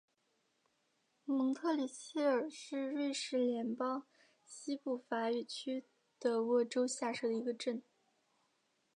蒙特里谢尔是瑞士联邦西部法语区的沃州下设的一个镇。